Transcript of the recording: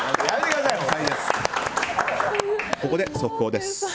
ここで速報です。